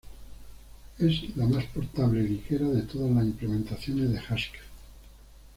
Es la más portable y ligera de todas las implementaciones de Haskell.